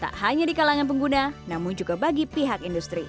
tak hanya di kalangan pengguna namun juga bagi pihak industri